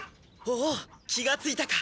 おお気がついたか。